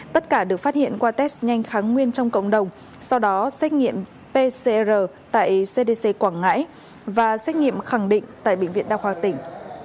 tất cả được phát hiện qua test nhanh kháng nguyên trong cộng đồng sau đó xét nghiệm pcr tại cdc quảng ngãi và xét nghiệm khẳng định tại bệnh viện đa khoa tỉnh